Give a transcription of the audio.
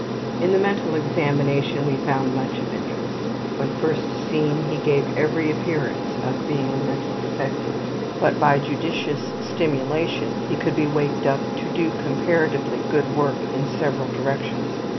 In the mental examination we found much of interest. When first seen he gave every appearance of being a mental defective, but by judicious stimulation he could be waked up to do comparatively good work in several directions.